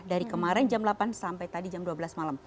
dari kemarin jam delapan sampai tadi jam dua belas malam